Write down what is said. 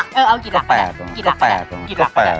ก็๘ตรงนี้